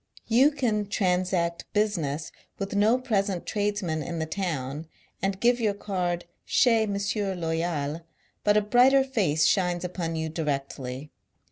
You can transact business with no present tradesman in the town, and give your card " chez M. Loyal," but a brighter face shines upon you directly.